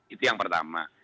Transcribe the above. itu yang pertama